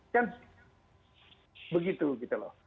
kan begitu gitu loh